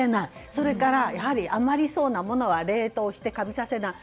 それから余りそうなものは冷凍してカビさせない。